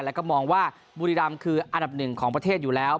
แล้วก็มองว่าบุรีรำคืออันดับหนึ่งของประเทศอยู่แล้ว